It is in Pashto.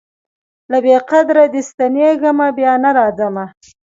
له بې قدریه دي ستنېږمه بیا نه راځمه